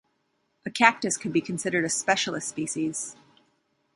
A cactus could be considered a specialist species.